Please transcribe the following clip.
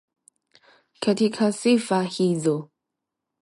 Katika sifa hizo